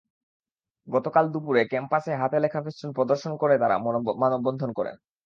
গতকাল দুপুরে ক্যাম্পাসে হাতে লেখা ফেস্টুন প্রদর্শন করে মানববন্ধন করেন তাঁরা।